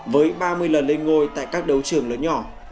với ba mươi lần lên ngôi tại các đấu trường lớn nhỏ